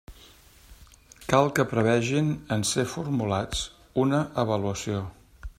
Cal que prevegin, en ser formulats, una avaluació.